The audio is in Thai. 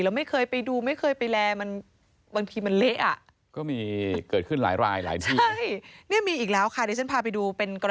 แล้วไม่เคยไปดูไม่เคยไปแล